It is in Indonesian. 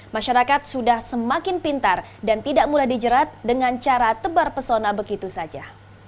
masyarakat sudah semakin pintar dan tidak mudah dijerat dengan cara tebar pesona begitu saja